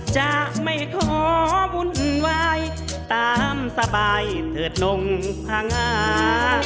จะไม่ขอวุ่นวายตามสบายเถิดนงพังงา